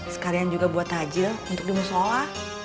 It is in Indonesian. sekalian juga buat hajil untuk dimusola